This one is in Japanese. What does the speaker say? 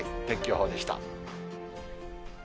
天気予報でした。